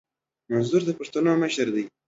منظور د پښتنو مشر دي